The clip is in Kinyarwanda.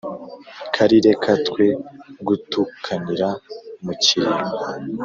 kali reka twe gutukanira mukiriyo